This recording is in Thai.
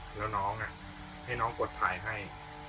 แล้วน้องให้น้องกดถ่ายให้